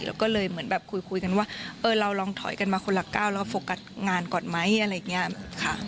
เราก็เลยเหมือนแบบคุยกันว่าเออเราลองถอยกันมาคนละก้าวแล้วก็โฟกัสงานก่อนไหมอะไรอย่างนี้ค่ะ